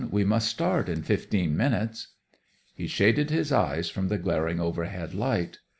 We must start in fifteen minutes." He shaded his eyes from the glaring overhead light.